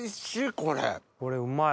これうまい。